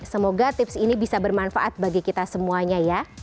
semoga tips ini bisa bermanfaat bagi kita semuanya ya